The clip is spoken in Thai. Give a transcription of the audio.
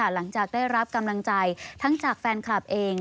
หลังจากได้รับกำลังใจทั้งจากแฟนคลับเอง